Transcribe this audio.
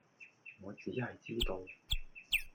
我只係知道